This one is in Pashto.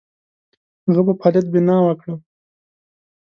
هغه په فعالیت بناء وکړه.